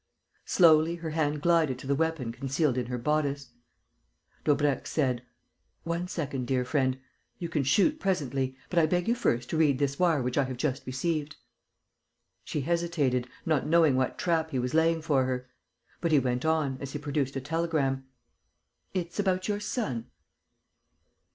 Slowly her hand glided to the weapon concealed in her bodice. Daubrecq said: "One second, dear friend.... You can shoot presently; but I beg you first to read this wire which I have just received." She hesitated, not knowing what trap he was laying for her; but he went on, as he produced a telegram: "It's about your son."